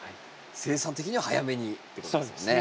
生産的には早めにっていうことですもんね。